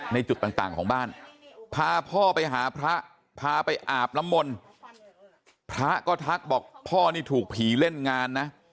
ในจุดต่างของบ้านพาพ่อไปหาพระพาไปอาบน้ำมนต์พระก็ทักบอกพ่อนี่ถูกผีเล่นงานนะ